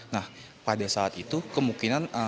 nah pada saat itu kemungkinan